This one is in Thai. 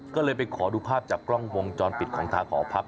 ก็เลยไปขอดูภาพจากกล้องวงจรปิดของทางหอพัก